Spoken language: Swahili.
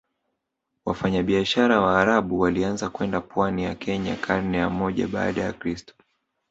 Wafanyabiashara Waarabu walianza kwenda pwani ya Kenya karne ya moja baada ya kristo